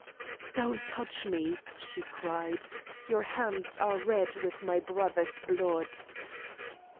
"Don't touch me!" she cried. "Your hands are red with my brother's blood."